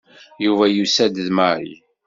Yuba yusa-d d Mary.